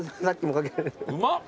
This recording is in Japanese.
うまっ！